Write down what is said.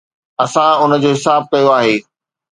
اسان ان جو حساب ڪيو آهي.